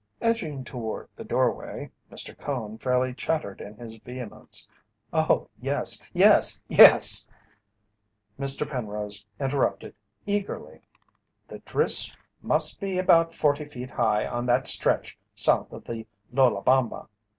Edging toward the doorway, Mr. Cone fairly chattered in his vehemence: "Oh, yes yes yes!" Mr. Penrose interrupted eagerly: "The drifts must be about forty feet high on that stretch south of The Lolabama.